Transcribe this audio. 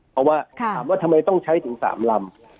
เพราะว่าถามว่าทำไมต้องใช้ถึง๓ลำ